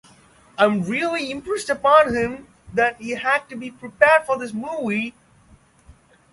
I really impressed upon him that he had to be prepared for this movie.